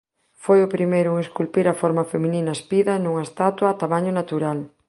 Foi o primeiro en esculpir a forma feminina espida nunha estatua a tamaño natural.